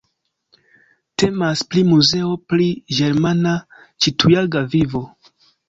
Temas pri muzeo pri ĝermana ĉiutaga vivo.